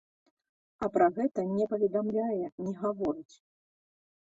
А пра гэта не паведамляе, не гаворыць.